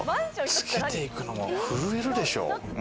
着けていくのも震えるでしょ？